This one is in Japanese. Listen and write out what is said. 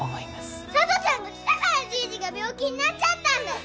「さとちゃんが来たからじいじが病気になっちゃったんだよ！」